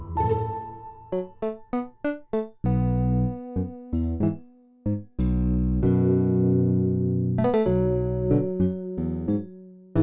pindah dalem ya